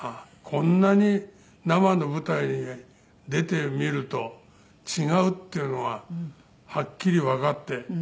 こんなに生の舞台に出てみると違うっていうのははっきりわかって。